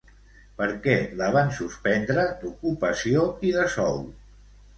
Per què la van suspendre d'ocupació i de sou?